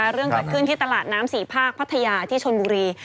เรื่องเกิดขึ้นที่ตลาดน้ำสี่ภาคพัทยาที่ชนบุรี